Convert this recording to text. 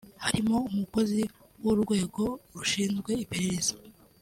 harimo umukozi w’urwego rushinzwe iperereza